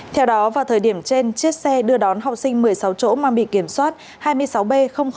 theo đó vào thời điểm trên chiếc xe đưa đón học sinh một mươi sáu chỗ mà bị kiểm soát hai mươi sáu b bảy trăm linh một